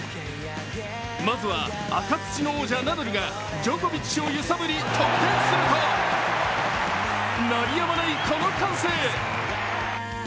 まずは、赤土の王者・ナダルがジョコビッチを揺さぶり得点すると、鳴り止まない、この歓声。